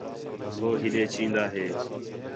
ہُو ہِݙے چین٘دا ھے